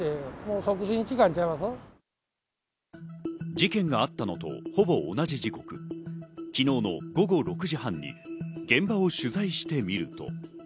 事件があったのとほぼ同じ時刻、昨日の午後６時半に現場を取材してみると。